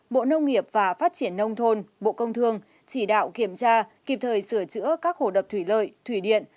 bộ nông nghiệp và phát triển nông thôn bộ công thương chỉ đạo kiểm tra kịp thời sửa chữa các hồ đập thủy lợi thủy điện